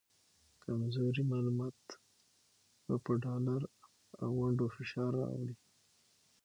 کمزوري معلومات به په ډالر او ونډو فشار راوړي